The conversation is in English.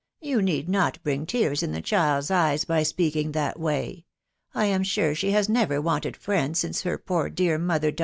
.. you need not bring team in the child's eyes by speaking that way. ... I Am sure she has. never wanted friends since .her poor dear mother